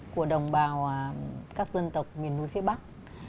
của đồng bào các dân tộc miền núi phía bắc